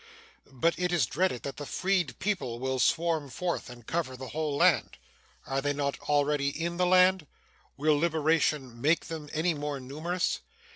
But it is dreaded that the freed people will swarm forth and cover the whole land. Are they not already in the land? Will liberation make them any more numerous?